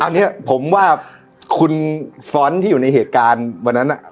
นี่ครับผมว่าคุณฟ้อนที่อยู่ในเหตุการณ์วันนั้นน่ะ